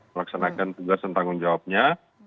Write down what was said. melaksanakan tugas dan tanggung jawabnya